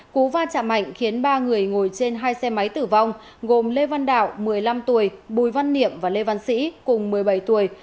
cú va chạm mạnh khiến ba người ngồi trên hai xe máy tử vong gồm lê văn đạo một mươi năm tuổi bùi văn niệm và lê văn sĩ cùng một mươi bảy tuổi